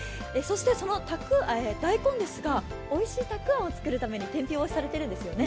大根ですがおいしいたくあんを作るために天日干しされてるんですよね。